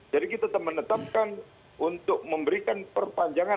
jadi kita tetap menetapkan untuk memberikan perpanjangan